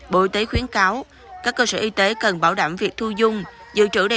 bộ y tế khuyến cáo các cơ sở y tế cần bảo đảm việc thu dung giữ trữ đầy đủ nguồn thuốc và tư y tế để điều trị cho bệnh nhân